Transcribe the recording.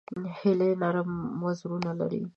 هیلۍ نرم وزرونه لري